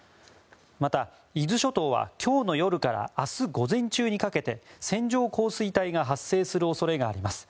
また、伊豆諸島は今日の夜から明日午前中にかけて線状降水帯が発生する恐れがあります。